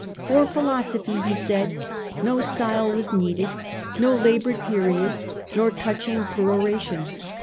' For philosophy/ he thought, ' no style was needed ; no laboured periods nor touching peroration.